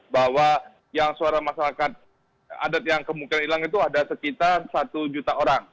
bahwa yang suara masyarakat adat yang kemungkinan hilang itu ada sekitar satu juta orang